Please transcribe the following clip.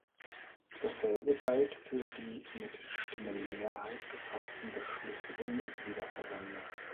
Dasselbe galt für die mit Stimmenmehrheit gefassten Beschlüsse der Mitgliederversammlung.